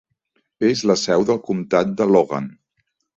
És la seu del comtat de Logan.